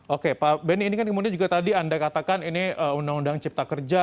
oke pak benny ini kan kemudian juga tadi anda katakan ini undang undang cipta kerja